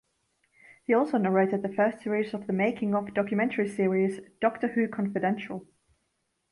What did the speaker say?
He also narrated the first series of the "making-of" documentary series "Doctor Who Confidential".